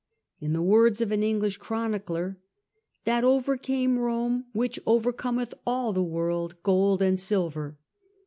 In the words of an English chronicler :* that overcame Rome which overcometh all the world — gold and silver.'